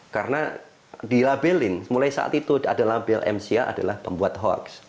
karena dilabelin mulai saat itu ada label mca adalah pembuat hoax